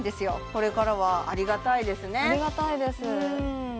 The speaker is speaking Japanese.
これからはありがたいですねありがたいです